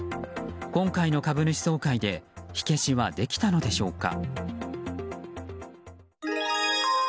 今回の株主総会で火消しはできたのでしょうか。